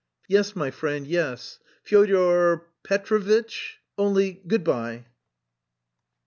"Yes, my friend, yes... Fyodor Petrovitch... only good bye."